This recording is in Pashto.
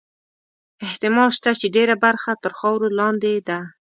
احتمال شته چې ډېره برخه تر خاورو لاندې ده.